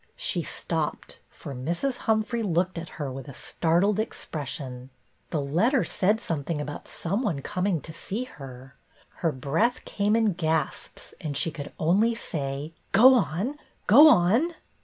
She stopped, for Mrs. Humphrey looked at her with a startled expression. The letteT said something about some one coming to return of the mariner 233 see her ! Her breath came in gasps and she could only say, " Go on, go on